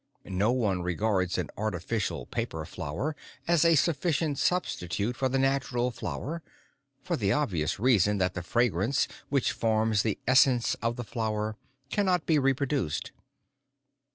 No one regards an artificial paper flower as a sufficient substitute for the natural flower, for the obvious reason that the fragrance, which forms the essence of the flower, cannot be reproduced.